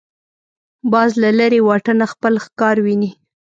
باز له لرې واټنه خپل ښکار ویني